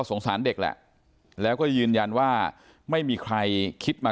พันคอไม่แน่นล้มหลวม